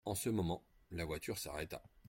En ce moment, la voiture s'arrêta.